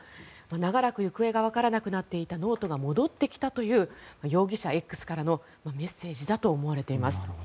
長らく行方がわからなくなっていたノートが戻ってきたという容疑者Ｘからのメッセージだと思われています。